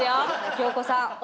京子さん